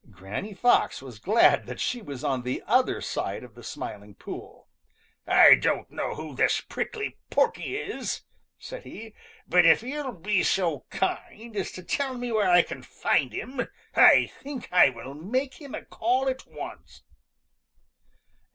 Granny Fox was glad that she was on the other side of the Smiling Pool. "I don't know who this Prickly Porky is," said he, "but if you'll be so kind as to tell me where I can find him, I think I will make him a call at once."